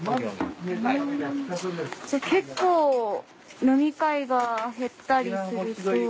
結構飲み会が減ったりすると。